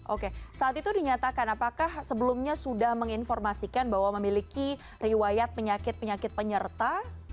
oke saat itu dinyatakan apakah sebelumnya sudah menginformasikan bahwa memiliki riwayat penyakit penyakit penyerta